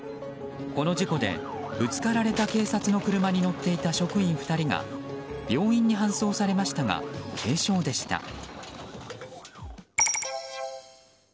この事故でぶつかられた警察の車に乗っていた職員２人が病院に搬送されましたが軽傷でした。